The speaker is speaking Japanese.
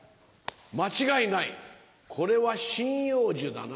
間違いないこれは針葉樹だな。